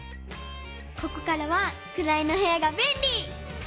ここからは「くらいのへや」がべんり！